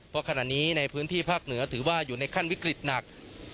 เพราะขณะนี้ในพื้นที่ภาคเหนือถือว่าอยู่ในขั้นวิกฤตหนัก